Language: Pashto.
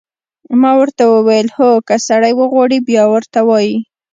ما ورته وویل: هو، که سړی وغواړي، بیا ورته وایي.